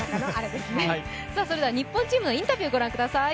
そして日本チームのインタビュー、ご覧ください。